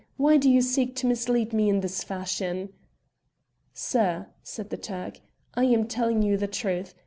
"Why do you seek to mislead me in this fashion?" "Sir," said the Turk, "I am telling you the truth.